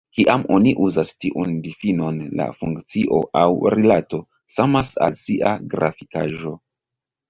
Kiam oni uzas tiun difinon, la funkcio aŭ rilato samas al sia grafikaĵo.